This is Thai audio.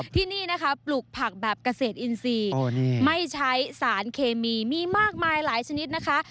ที่นี่นะคะปลูกผักแบบเกษตรอินทรีย์ไม่ใช้สารเคมีมีมากมายหลายชนิดนะคะ